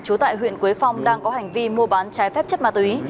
trú tại huyện quế phong đang có hành vi mua bán trái phép chất ma túy